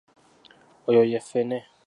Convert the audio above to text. Oyo ye ffene.